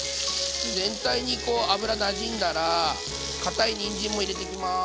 全体に油なじんだらかたいにんじんも入れていきます。